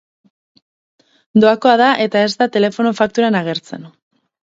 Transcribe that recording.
Doakoa da eta ez da telefono fakturan agertzen.